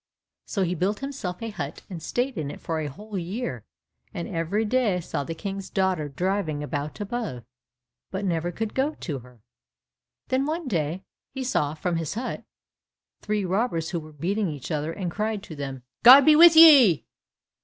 So he built himself a hut and stayed in it for a whole year, and every day saw the King's daughter driving about above, but never could go to her. Then one day he saw from his hut three robbers who were beating each other, and cried to them, "God be with ye!"